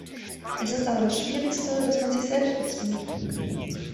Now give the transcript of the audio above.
Es ist aber das schwierigste, dass man sich selbst bezwingt.